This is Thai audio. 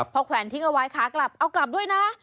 พอแขวนทิ้งเอาไว้ขากลับเอากลับด้วยนะ